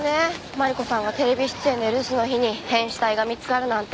マリコさんがテレビ出演で留守の日に変死体が見つかるなんて。